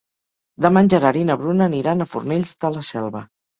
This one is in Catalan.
Demà en Gerard i na Bruna aniran a Fornells de la Selva.